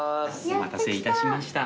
お待たせいたしました。